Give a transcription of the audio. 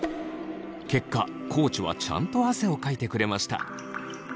結果地はちゃんと汗をかいてくれました。